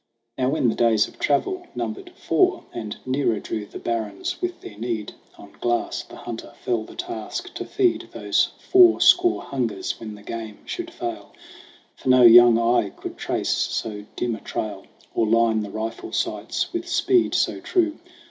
Now when the days of travel numbered four And nearer drew the barrens with their need, On Glass, the hunter, fell the task to feed Those four score hungers when the game should fail. For no young eye could trace so dim a trail, Or line the rifle sights with speed so true.